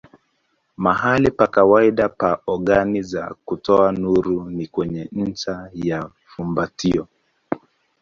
Mahali pa kawaida pa ogani za kutoa nuru ni kwenye ncha ya fumbatio.